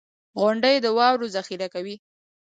• غونډۍ د واورو ذخېره کوي.